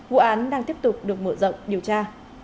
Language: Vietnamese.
vụ án đang tiếp tục được mở rộng điều tra